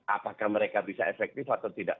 apakah mereka bisa efektif atau tidak